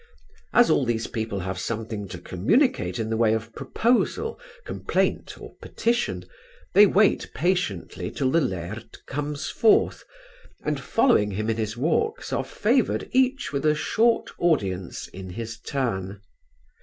As all these people have something to communicate in the way of proposal, complaint, or petition, they wait patiently till the laird comes forth, and, following him in his walks, are favoured each with a short audience in his turn.